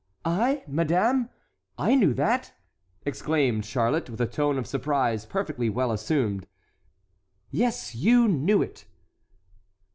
"I, madame? I knew that?" exclaimed Charlotte, with a tone of surprise perfectly well assumed. "Yes, you knew it!"